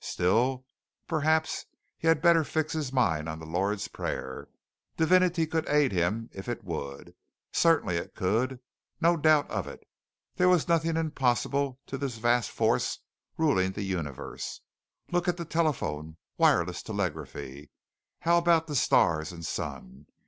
Still Perhaps he had better fix his mind on the Lord's Prayer. Divinity could aid him if it would. Certainly it could. No doubt of it. There was nothing impossible to this vast force ruling the universe. Look at the telephone, wireless telegraphy. How about the stars and sun?